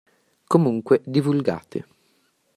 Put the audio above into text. Comunque, divulgate.